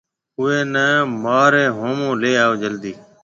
اُوئي نَي مهاريَ هومون ليَ آئو جلدِي۔